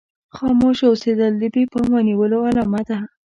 خاموشه اوسېدل د بې پامه نيولو علامه ده.